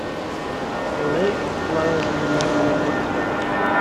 A lake flows underneath the headquarters building.